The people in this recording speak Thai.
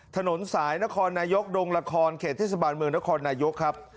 ถนนสายนครนายกดงละครเขตเทศบาลเมืองนครนายกครับ